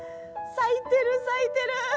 咲いてる咲いてる。